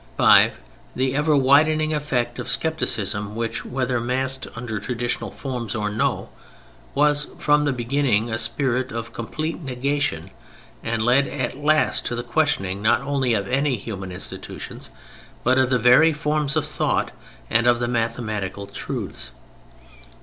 (5) The ever widening effect of skepticism, which, whether masked under traditional forms or no, was from the beginning a spirit of complete negation and led at last to the questioning not only of any human institutions, but of the very forms of thought and of the mathematical truths.